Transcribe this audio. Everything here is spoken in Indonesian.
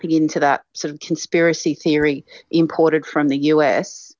dan sangat menarik ke dalam teori konspirasi yang diimpor dari as